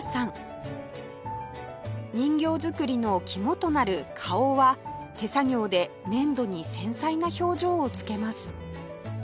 人形作りの肝となる顔は手作業で粘土に繊細な表情をつけます